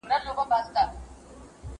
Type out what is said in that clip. علم د انسان د ژوند بنسټ دی.